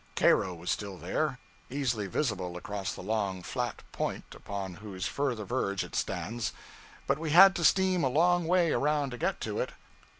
Cairo was still there easily visible across the long, flat point upon whose further verge it stands; but we had to steam a long way around to get to it.